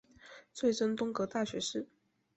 追赠东阁大学士。